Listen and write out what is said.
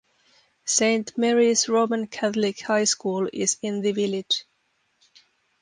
Saint Mary's Roman Catholic High School is in the village.